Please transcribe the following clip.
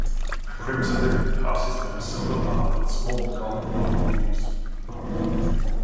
A crimson ribbon passes through a silver bar with small gold laurel leaves.